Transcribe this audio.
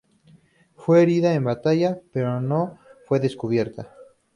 Fue herida en batalla, pero no fue descubierta.